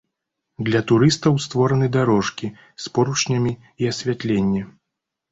Для турыстаў створаны дарожкі з поручнямі і асвятленне.